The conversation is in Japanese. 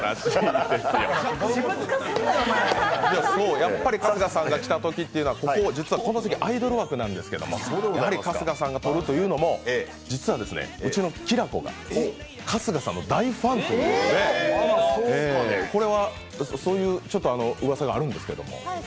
やっぱり春日さんが来たときというのとは、この席アイドル枠なんですけどやはり春日さんがとるというのも実はうちのきらこが春日さんの大ファンということでこれは、そういうちょっとうわさがあるんですけれども？